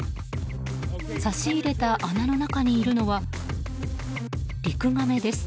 差し入れた穴の中にいるのはリクガメです。